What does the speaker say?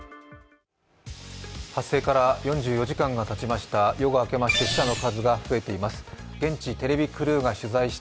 発生から４４時間がたちました。